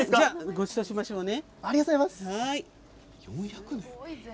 ごちそうしましょうね。